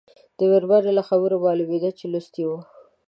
د مېرمنې له خبرو معلومېده چې لوستې وه.